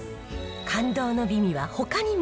感動の美味はほかにも。